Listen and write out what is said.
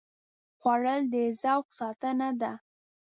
خوړل د ذوق ساتنه ده